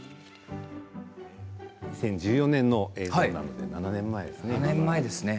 ２０１４年の映像なので７年前ですね。